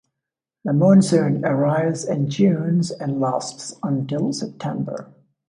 The monsoon arrives in June and lasts until September.